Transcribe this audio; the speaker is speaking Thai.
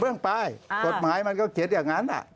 เรื่องปลายกฎหมายมันก็เขียนอย่างนั้น